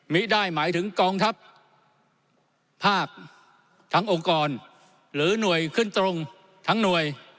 ไม่ได้หมายถึงกองทัพภาคทั้งองค์กรหรือหน่วยขึ้นตรงทั้งหน่วย